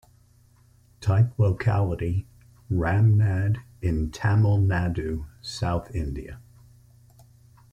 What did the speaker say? Type locality: Ramnad in Tamil Nadu, south India.